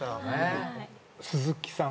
鈴木さん？